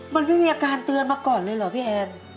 มันไม่มีอาการเตือนมาก่อนเลยเหรอพี่แอน